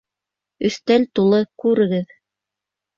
Өҫтәл тулы, күрегеҙ.